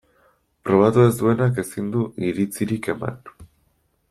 Probatu ez duenak ezin du iritzirik eman.